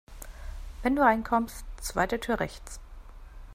Wenn du reinkommst, zweite Tür rechts.